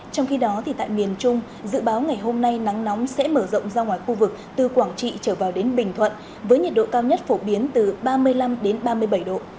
trong khi đó tại miền trung dự báo ngày hôm nay nắng nóng sẽ mở rộng ra ngoài khu vực từ quảng trị trở vào đến bình thuận với nhiệt độ cao nhất phổ biến từ ba mươi năm ba mươi bảy độ